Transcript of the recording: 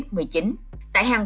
sẽ được chuyển đến và phân bổ